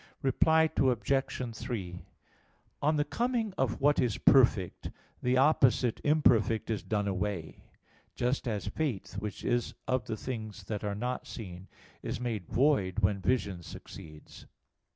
Reply Obj. 3: On the coming of what is perfect, the opposite imperfect is done away: just as faith, which is of the things that are not seen, is made void when vision succeeds.